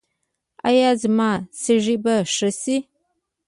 ایا زما سږي به ښه شي؟